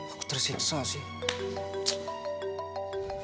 aku tersiksa sih